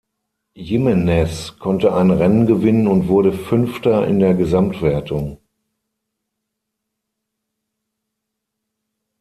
Jimenez konnte ein Rennen gewinnen und wurde Fünfter in der Gesamtwertung.